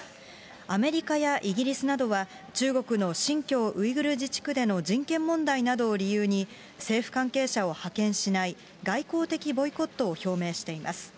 アメリカやイギリスなどは、中国の新疆ウイグル自治区での人権問題などを理由に政府関係者を派遣しない、外交的ボイコットを表明しています。